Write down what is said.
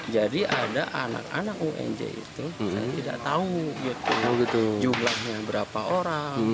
jadi ada anak anak unj itu saya tidak tahu jumlahnya berapa orang